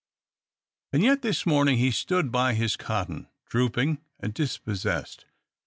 And yet this morning he stood by his cotton, drooping and dispossessed.